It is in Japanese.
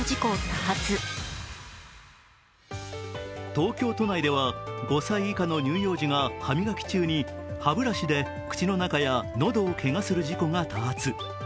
東京都内では５歳以下の乳幼児が歯磨き中に歯ブラシで口の中や喉をけがする事故が多発。